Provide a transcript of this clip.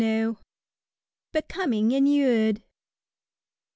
146 BECOMING INURED.